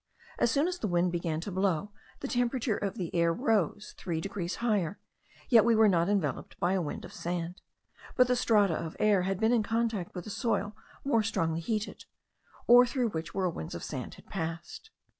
As soon as the wind began to blow, the temperature of the air rose 3 degrees higher, yet we were not enveloped by a wind of sand, but the strata of air had been in contact with a soil more strongly heated, or through which whirlwinds of sand had passed.